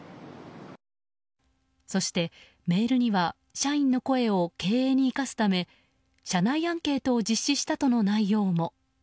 そして、メールには社員の声を経営に生かすため社内アンケートを実施したとの内容も。